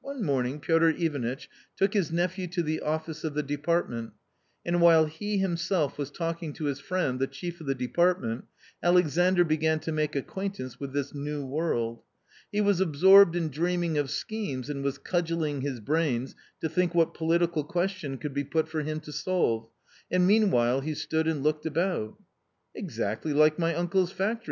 One morning Piotr Ivanitch took his nephew to the office of the department, and while he himself was talking to his friend the chief of the department, Alexandr began to make acquaintance with this new world. He was absorbed in dreaming of schemes and was cudgelling his brains to think what political question would be put for him to solve, and meanwhile he stood and looked about. 44 Exactly like my uncle's factory